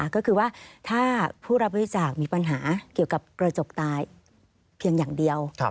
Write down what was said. ก็คือว่าถ้าผู้รับบริจาคมีปัญหาเกี่ยวกับกระจกตายเพียงอย่างเดียว